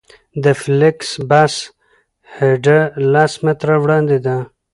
د فلېکس بس هډه لس متره وړاندې ده